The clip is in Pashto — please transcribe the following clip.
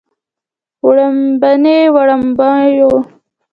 وړومبني وړومبيو